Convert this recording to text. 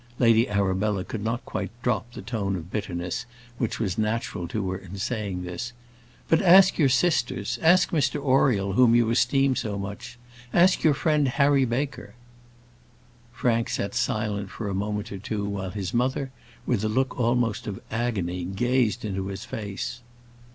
Lady Arabella could not quite drop the tone of bitterness which was natural to her in saying this. "But ask your sisters; ask Mr Oriel, whom you esteem so much; ask your friend Harry Baker." Frank sat silent for a moment or two while his mother, with a look almost of agony, gazed into his face.